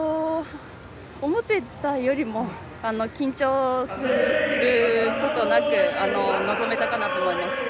思っていたよりも緊張することなく臨めたかなと思います。